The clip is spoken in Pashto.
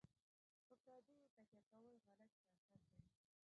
په پردیو تکیه کول غلط سیاست دی.